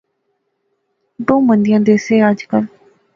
بہوں مندیاں دیسے اج کل